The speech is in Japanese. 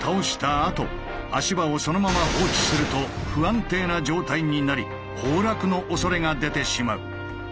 あと足場をそのまま放置すると不安定な状態になり崩落のおそれが出てしまう。